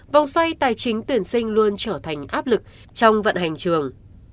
vòng xoay tài chính tuyển sinh luôn trở thành áp lực trong vận hành trường